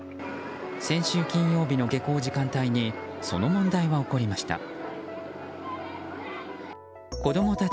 先週金曜日の下校時間帯にその問題は起こりました。